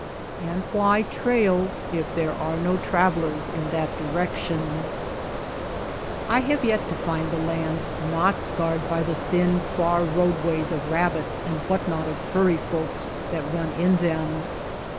And why trails if there are no travelers in that direction ? I have yet to find the land not scarred by the thin, far roadways of rabbits and what not of furry folks that run in them.